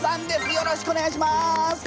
よろしくお願いします！